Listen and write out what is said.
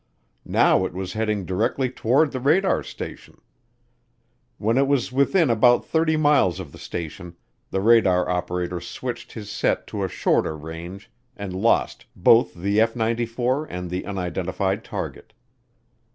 Now it was heading directly toward the radar station. When it was within about 30 miles of the station, the radar operator switched his set to a shorter range and lost both the F 94 and the unidentified target.